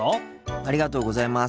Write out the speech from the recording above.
ありがとうございます。